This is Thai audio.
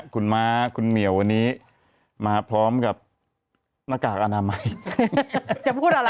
คุณม้าคุณเหมียววันนี้มาพร้อมกับหน้ากากอนามัยจะพูดอะไร